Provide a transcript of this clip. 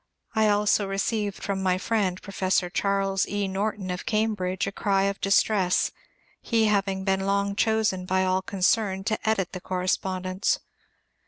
I also received from my friend Professor Charles E. Norton of Cambridge a cry of distress, he having been long chosen by all concerned to edit the cor respondence.